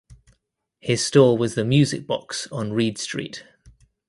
His store was the Music Box on Reid Street.